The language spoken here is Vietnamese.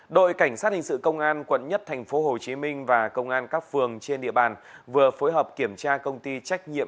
đội cảnh sát hình sự công an quận một tp hcm và công an các phường trên địa bàn vừa phối hợp kiểm tra công ty trách nhiệm